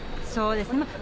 そうですね。